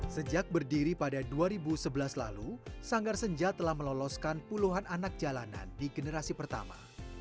sejak berdiri pada dua ribu sebelas lalu sanggar senja telah meloloskan puluhan anak jalanan di generasi pertama